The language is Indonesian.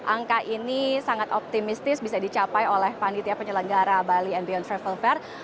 angka ini sangat optimistis bisa dicapai oleh panitia penyelenggara bali and beyond travel fair